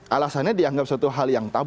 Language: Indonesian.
alasannya dianggap suatu hal yang